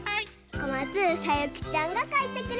こまつさゆきちゃんがかいてくれました。